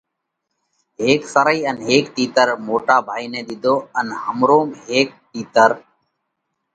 هيڪ سرئي ان هيڪ تِيتر موٽا ڀائِي نئہ ۮِيڌو ان همروم هيڪ تِيتر